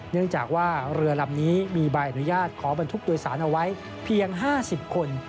เนื่องจากว่าเรือลำนี้มีใบอนุญาตขอบรรทุกโดยสารเอาไว้เพียง๕๐คน